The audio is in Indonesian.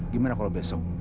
gimana kalau besok